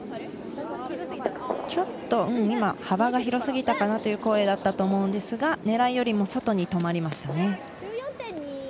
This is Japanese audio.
ちょっと幅が広すぎたかなという声だったと思うんですが、狙いよりも外に止まりましたね。